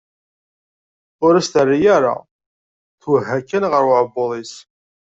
Ur as-terri ara, twehha kan ɣer uɛebbuḍ-is.